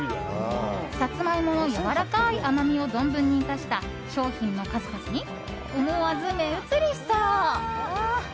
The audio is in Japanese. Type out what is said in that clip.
サツマイモのやわらかい甘みを存分に生かした商品の数々に思わず目移りしそう。